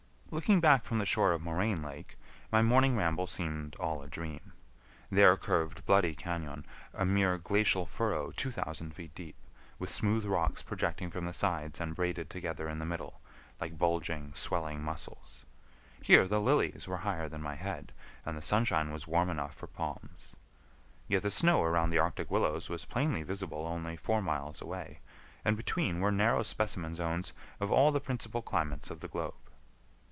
Looking back from the shore of Moraine Lake, my morning ramble seemed all a dream. There curved Bloody Cañon, a mere glacial furrow 2000 feet deep, with smooth rocks projecting from the sides and braided together in the middle, like bulging, swelling muscles. Here the lilies were higher than my head, and the sunshine was warm enough for palms. Yet the snow around the arctic willows was plainly visible only four miles away, and between were narrow specimen zones of all the principal climates of the globe.